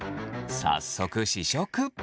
早速試食。